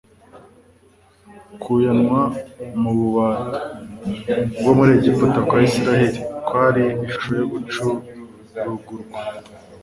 Kuyanwa mu bubata „bwo mu Egiputa kwa Israyeli, kwari ishusho yo gucurugurwa,